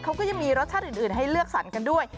เขาก็ยังมีรสชาติอื่นให้เลือกสรรกันด้วย